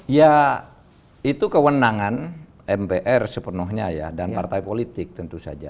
ya itu kewenangan mpr sepenuhnya ya dan partai politik tentu saja